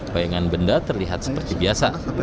bayangan benda terlihat seperti biasa